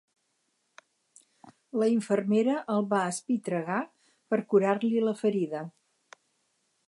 La infermera el va espitregar per curar-li la ferida.